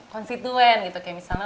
konstituen gitu kayak misalnya